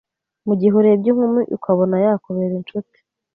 Mu gihe urebye inkumi ukabona yakubera inshuti